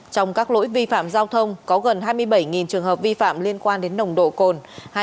trong các lỗi vi phạm giao thông có gần hai mươi bảy trường hợp vi phạm liên quan đến nồng độ cồn